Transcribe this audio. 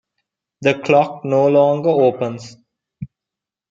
The clock no longer opens.